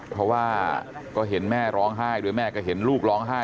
เพราะว่าก็เห็นแม่ร้องไห้ด้วยแม่ก็เห็นลูกร้องไห้